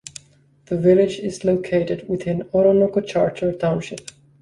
The village is located within Oronoko Charter Township.